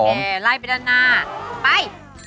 โอเคไล่ไปด้านหน้าไป